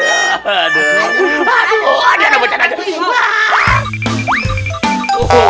ikan kolam renang selang itu tuh